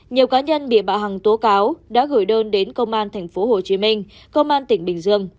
nhiều cá nhân bị bạo hằng tố cáo đã gửi đơn đến công an tp hcm công an tỉnh bình dương